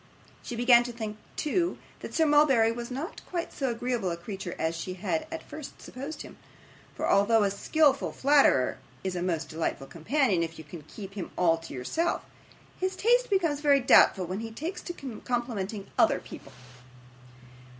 She began to think, too, that Sir Mulberry was not quite so agreeable a creature as she had at first supposed him; for, although a skilful flatterer is a most delightful companion if you can keep him all to yourself, his taste becomes very doubtful when he takes to complimenting other people.